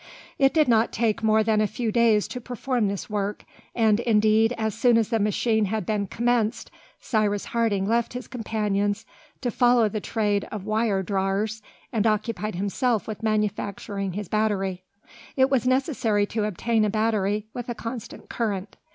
It did not take more than a few days to perform this work, and indeed as soon as the machine had been commenced, Cyrus Harding left his companions to follow the trade of wire drawers, and occupied himself with manufacturing his battery. It was necessary to obtain a battery with a constant current.